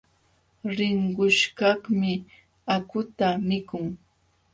Rinqushkaqmi akhuta mikun.